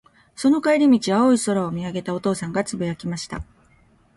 その帰り道、青い空を見上げたお父さんが、つぶやきました。